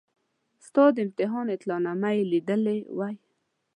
ستا د امتحان اطلاع نامه یې لیدلې وای.